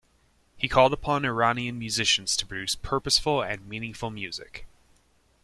He called upon Iranian musicians to produce purposeful and meaningful music.